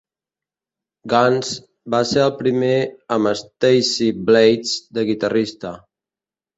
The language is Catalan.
Guns, va ser el primer amb Stacey Blades de guitarrista.